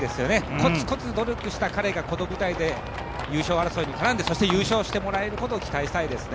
コツコツ努力した彼がこの舞台で優勝争いに絡んで、そして優勝してもらえることを期待したいですね。